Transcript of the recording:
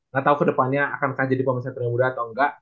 gak tau ke depannya akan jadi pemain satria muda atau enggak